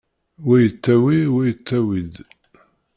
Wa yettawi, wa yettawi-d.